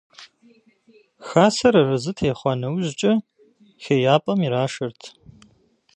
Хасэр арэзы техъуа нэужькӀэ хеяпӀэм ирашэрт.